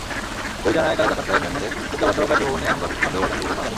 Police জানায়, তারা জাকার্তায় মিয়ানমারের দূতাবাসসহ কয়েকটি ভবনে হামলার সন্দেহভাজন পরিকল্পনাকারী।